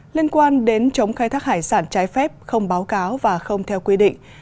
liên quan đến chống khai thác hải sản trái phép không báo cáo và không theo quy định